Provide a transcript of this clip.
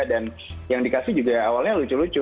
dan yang dikasih juga awalnya lucu lucu